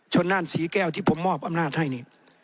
นั่นศรีแก้วที่ผมมอบอำนาจให้นี่